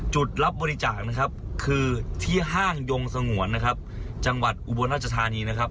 จุดรับบริจาคคือที่ห้างโยงสงวนจังหวัดอุบรณะจธานีนะครับ